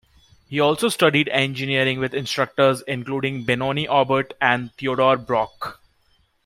He also studied engineering with instructors including Benoni Aubert and Theodor Broch.